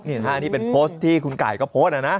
นี่เป็นโพสต์ที่คุณไก่ก็โพสต์นะนะ